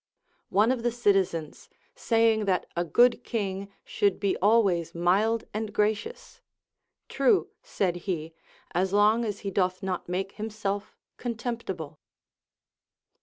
One of the citizens saying that a good king should be always mild and gracious, True, said he, as long as he doth LACONIC APOPHTHEGMS. 415 not make himself contemptible.